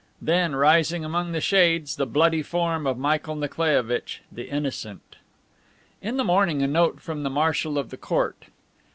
Then, rising among the shades the bloody form of Michael Nikolaievitch the Innocent! In the morning a note from the Marshal of the Court.